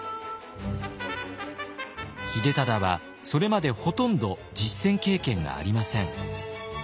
秀忠はそれまでほとんど実戦経験がありません。